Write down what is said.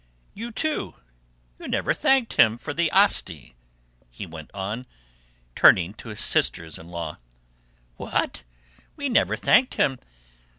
you two; you never thanked him for the Asti!" he went on, turning to his sisters in law. "What! we never thanked him?